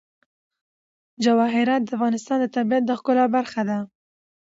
جواهرات د افغانستان د طبیعت د ښکلا برخه ده.